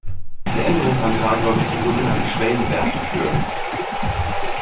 Der Änderungsantrag sollte zu sogenannten Schwellenwerten führen.